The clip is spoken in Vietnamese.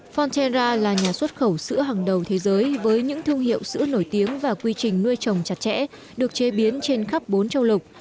forterra là nhà xuất khẩu sữa hàng đầu thế giới với những thương hiệu sữa nổi tiếng và quy trình nuôi trồng chặt chẽ được chế biến trên khắp bốn châu lục